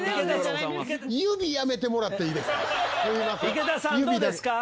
指やめてもらっていいですか？